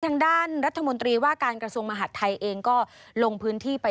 ทางด้านรัฐมนตรีว่าการกระทรวงมหาดไทยเองก็ลงพื้นที่ไป